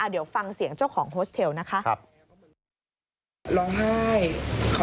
เดี๋ยวฟังเสียงเจ้าของโฮสเทลนะคะ